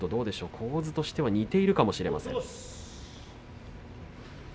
構図としては似ているかもしれません。